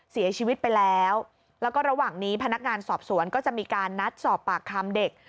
เสียชีวิตไปแล้วแล้วก็ระหว่างนี้พนักงานสอบสวนก็จะมีการนัดสอบปากคำเด็ก